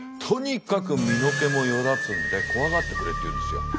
「とにかく身の毛もよだつんで怖がってくれ」って言うんですよ。